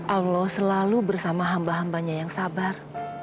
allah selalu bersama hamba hambanya yang sabar